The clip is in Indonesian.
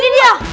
nah ini dia